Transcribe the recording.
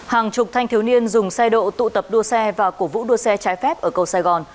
hàng chục thanh thiếu niên dùng xe độ tụ tập đua xe và cổ vũ đua xe trái phép ở cầu sài gòn